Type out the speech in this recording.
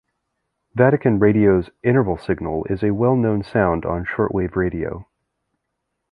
Vatican Radio's interval signal is a well-known sound on shortwave radio.